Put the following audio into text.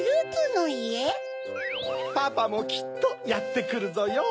パパもきっとやってくるぞよ！